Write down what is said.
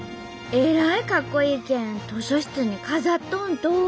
えらいかっこいいけん図書室に飾っとんと！